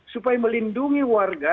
supaya melindungi warga